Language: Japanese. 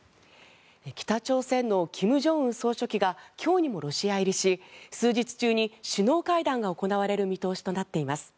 北朝鮮の金正恩総書記が今日にもロシア入りし数日中に首脳会談が行われる見通しとなっています。